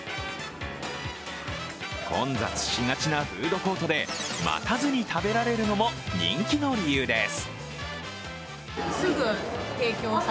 混雑しがちなフードコートで待たずに食べられるのも人気の理由です。